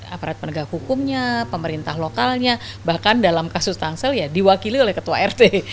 aparat penegak hukumnya pemerintah lokalnya bahkan dalam kasus tangsel ya diwakili oleh ketua rt